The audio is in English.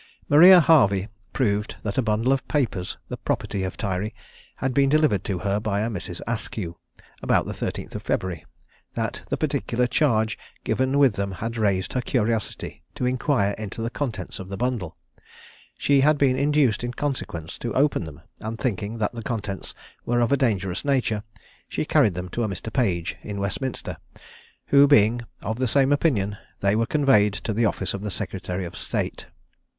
Maria Harvey proved that a bundle of papers, the property of Tyrie, had been delivered to her by a Mrs. Askew, about the 13th of February; that the particular charge given with them had raised her curiosity to inquire into the contents of the bundle. She had been induced in consequence to open them, and thinking that the contents were of a dangerous nature, she carried them to a Mr. Page, in Westminster, who being of the same opinion, they were conveyed to the office of the secretary of state.